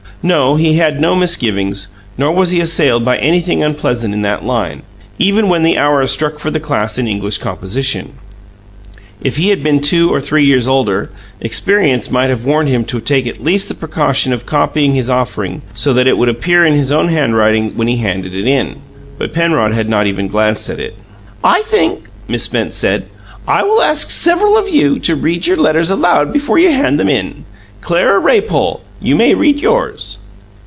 No; he had no misgivings, nor was he assailed by anything unpleasant in that line, even when the hour struck for the class in English composition. If he had been two or three years older, experience might have warned him to take at least the precaution of copying his offering, so that it would appear in his own handwriting when he "handed it in"; but Penrod had not even glanced at it. "I think," Miss Spence said, "I will ask several of you to read your letters aloud before you hand them in. Clara Raypole, you may read yours."